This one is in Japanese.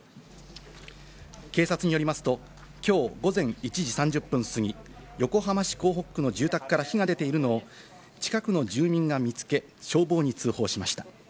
警察によりますと、きょう午前１時３０分過ぎ、横浜市港北区の住宅から火が出ているのを近くの住民が見つけ、消防に通報しました。